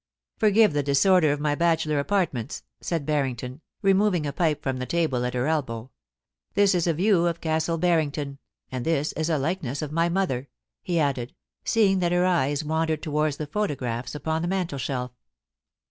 * FoFgive the disorder of my bachelor apartments,* said Barrington, removing a pipe from the table at her elbow. • That is a view of Castle Barrington, and this is a likeness of my mother,* he added, seeing that her eyes wandered towards the photographs upon the mantelshelf.